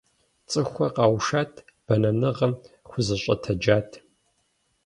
ЦӀыхухэр къэушат, бэнэныгъэм хузэщӀэтэджат.